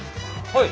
はい！